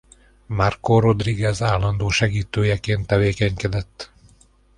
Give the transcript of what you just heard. Marco Rodríguez állandó segítőjeként tevékenykedett.